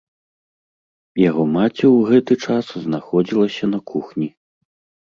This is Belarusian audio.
Яго маці ў гэты час знаходзілася на кухні.